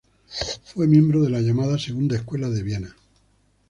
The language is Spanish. Fue miembro de la llamada Segunda Escuela de Viena.